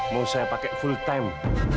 mau saya pakai full time